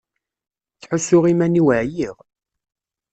Ttḥussuɣ iman-iw ɛyiɣ.